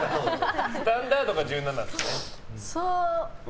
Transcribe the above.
スタンダードが１７ですね。